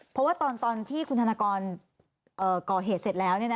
เพราะว่าตอนที่คุณธนกรก่อเหตุเสร็จแล้ว